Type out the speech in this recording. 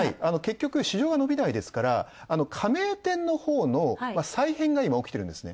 市場が伸びないから加盟店のほうの再編が、今、起きてるんですね。